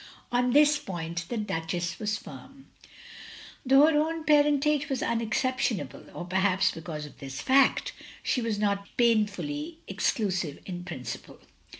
On this point the Duchess was firm. OF GROSVENOR SQUARE 233 Though her own parentage was unexception able, (or perhaps because of this fact), she was not painfully exclusive in principle.